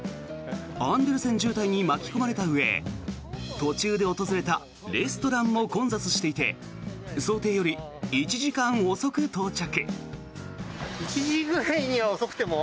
アンデルセン渋滞に巻き込まれたうえ途中で訪れたレストランも混雑していて想定より１時間遅く到着。